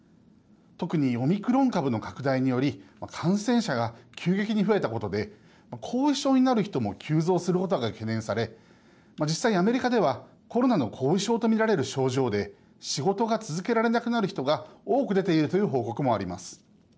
特に、オミクロン株の拡大により感染者が急激に増えたことで後遺症になる人も急増することが懸念され実際にアメリカではコロナの後遺症とみられる症状で仕事が続けられなくなる人が多く出ているという報告もあります。